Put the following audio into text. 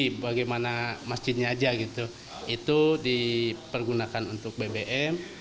jadi bagaimana masjidnya aja gitu itu dipergunakan untuk bbm